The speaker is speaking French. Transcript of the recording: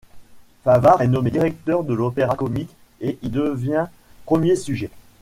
Favart est nommé directeur de l’Opéra-Comique, et y devient premier sujet.